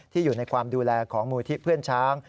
อยู่ในความดูแลของมูลที่เพื่อนช้าง